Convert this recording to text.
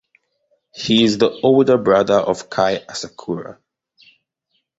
He is the older brother of Kai Asakura.